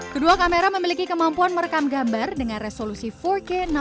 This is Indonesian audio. kedua kamera memiliki kemampuan merekam gambar dengan resolusi empat k enam